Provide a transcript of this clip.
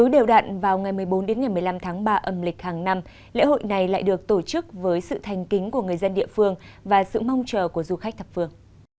đến ngày một mươi năm tháng ba âm lịch hàng năm lễ hội này lại được tổ chức với sự thanh kính của người dân địa phương và sự mong chờ của du khách thập phương